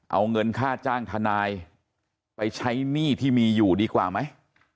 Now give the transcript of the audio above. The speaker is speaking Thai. เอาเงินค่าจ้างทนายไปใช้หนี้ที่มีอยู่ดีกว่าไหม